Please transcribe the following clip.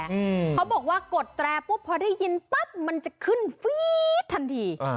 อืมเขาบอกว่ากดแตรปุ๊บพอได้ยินปั๊บมันจะขึ้นฟี๊ดทันทีอ่า